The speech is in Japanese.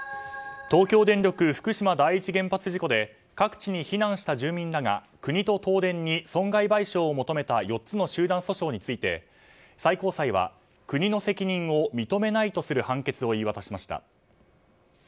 東京電力福島第一原発事故で各地に避難した住民らが国と東電に損害賠償を求めた４つの集団訴訟について最高裁は国の責任を認めないとする判決を言い渡しました。